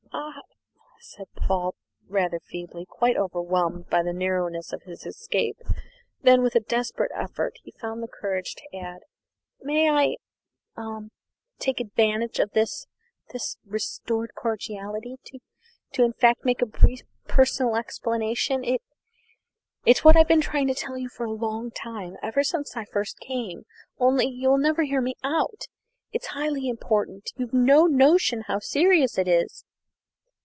"Ah!" said Paul rather feebly, quite overwhelmed by the narrowness of his escape. Then with a desperate effort he found courage to add, "May I ah take advantage of this this restored cordiality to to in fact to make a brief personal explanation? It it's what I've been trying to tell you for a long time, ever since I first came, only you never will hear me out. It's highly important. You've no notion how serious it is!"